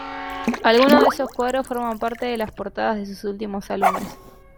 Algunos de esos cuadros forman parte de las portadas de sus últimos álbumes.